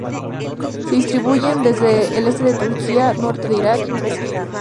Se distribuyen desde el este de Turquía, norte de Irak y noroeste de Irán.